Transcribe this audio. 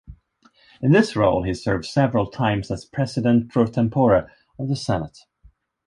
In this role he served several times as President pro tempore of the Senate.